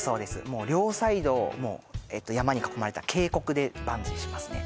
もう両サイド山に囲まれた渓谷でバンジーしますね